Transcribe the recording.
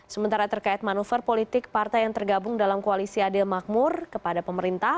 sementara terkait manuver politik partai yang tergabung dalam koalisi adil makmur kepada pemerintah